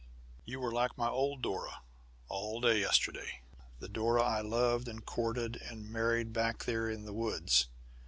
You were like my old Dora all day yesterday! The Dora I loved and courted and married back there in the woods.